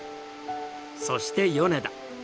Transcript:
そして米田。